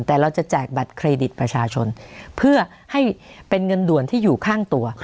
แต่เราจะแจกบัตรเครดิตประชาชนเพื่อให้เป็นเงินด่วนที่อยู่ข้างตัว